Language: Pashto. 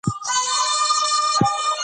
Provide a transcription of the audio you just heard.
د خورما ونې باید په ځای کې وڅېړل شي.